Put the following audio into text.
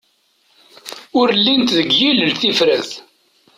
Ur llint deg yilel tifrat.